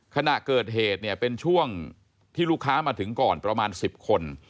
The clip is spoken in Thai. ขณะเกิดเหตุเนี่ยเป็นช่วงที่ลูกค้ามาถึงก่อนประมาณ๑๐คน